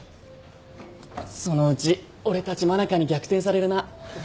そのうち俺たち真中に逆転されるな。